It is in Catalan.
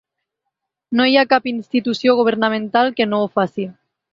No hi ha cap institució governamental que no ho faci.